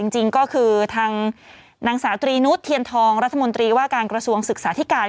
จริงก็คือทางนางสาวตรีนุษย์เทียนทองรัฐมนตรีว่าการกระทรวงศึกษาธิการ